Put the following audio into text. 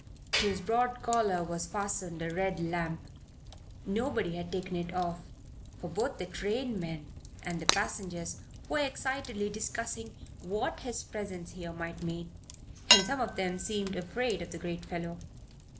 To his broad collar was fastened a red lamp. Nobody had taken it off, for both the train men and the passengers were excitedly discussing what his presence here might mean; and some of them seemed afraid of the great fellow.